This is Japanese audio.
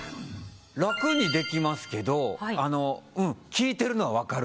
楽にできますけどあのうん。効いてるのは分かる。